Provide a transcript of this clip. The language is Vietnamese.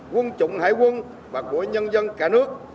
quân chủng hải quân và của nhân dân cả nước